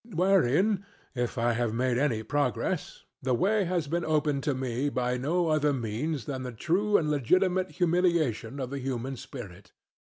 Wherein if I have made any progress, the way has been opened to me by no other means than the true and legitimate humiliation of the human spirit.